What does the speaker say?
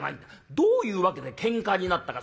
どういうわけでけんかになったか」。